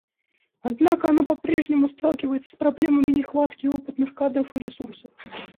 Однако оно по-прежнему сталкивается с проблемами нехватки опытных кадров и ресурсов.